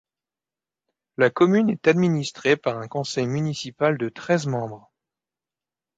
La commune est administrée par un conseil municipal de treize membres.